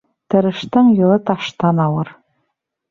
Тырыштың юлы таштан ауыр.